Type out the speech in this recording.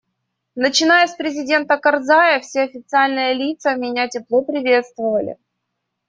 Начиная с президента Карзая, все официальные лица меня тепло приветствовали.